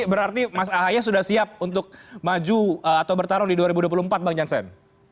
jadi mas ahe sudah siap untuk maju atau bertarung di dua ribu dua puluh empat bang jansen